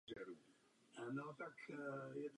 Potom přišlo osm černých let vlády prezidenta Bushe.